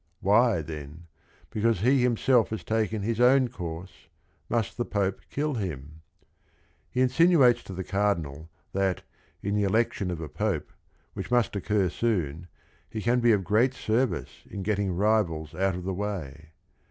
Why, then, because he himself ha s taken his own course, mu st the Pope kill him j He insinuates to the Cardinal that, in the elec tion of a Pope, which must occur soon, he can be of great service in getting rivals out of the way.